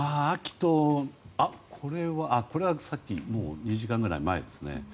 これはさっき２時間くらい前ですね。